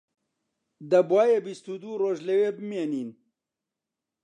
دەبوایە بیست و دوو ڕۆژ لەوێ بمێنین